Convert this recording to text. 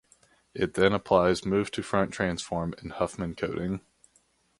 It then applies move-to-front transform and Huffman coding.